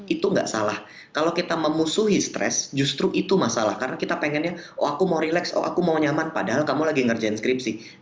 itu nggak salah kalau kita memusuhi stres justru itu masalah karena kita pengennya oh aku mau relax oh aku mau nyaman padahal kita harus mengerjakan skripsi di rumah aja